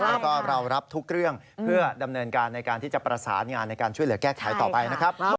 แล้วก็เรารับทุกเรื่องเพื่อดำเนินการในการที่จะประสานงานในการช่วยเหลือแก้ไขต่อไปนะครับ